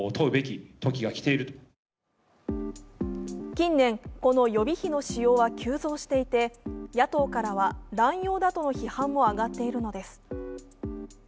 近年、この予備費の使用は急増していて野党からは乱用だとの批判も上がっているのです。